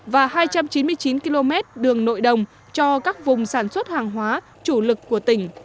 và hai trăm chín mươi chín km đường nội đồng cho các vùng sản xuất hàng hóa chủ lực của tỉnh